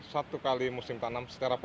untuk menghasilkan air di daerah ini